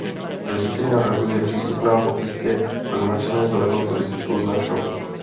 Zřícenina hradu je přístupná po cestě značené zelenou turistickou značkou.